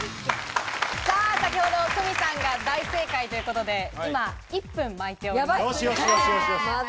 さぁ先ほど、久美さんが大正解ということで、今１分巻いております。